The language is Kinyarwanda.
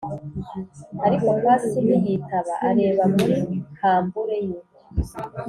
ariko pasi ntiyitaba areba muri hambure ye